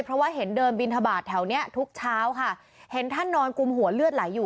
เพราะว่าเห็นเดินบินทบาทแถวเนี้ยทุกเช้าค่ะเห็นท่านนอนกุมหัวเลือดไหลอยู่